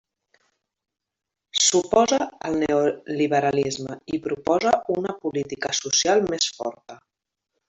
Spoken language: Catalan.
S'oposa al neoliberalisme i proposa una política social més forta.